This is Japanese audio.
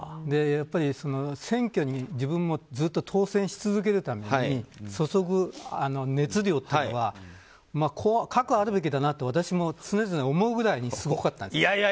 やっぱり選挙に自分もずっと当選し続けるために注ぐ熱量というのがかくあるべきだなと私も常々思うぐらいにすごかったんです。